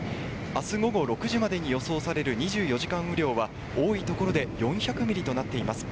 明日午後６時までに予想される２４時間雨量は多い所で４００ｍｍとなっています。